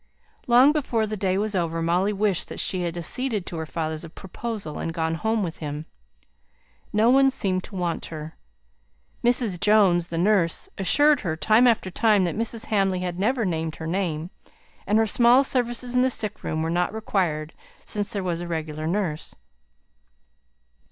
Long before the day was over, Molly wished that she had acceded to her father's proposal, and gone home with him. No one seemed to want her. Mrs. Jones, the nurse, assured her time after time that Mrs. Hamley had never named her name; and her small services in the sick room were not required since there was a regular nurse.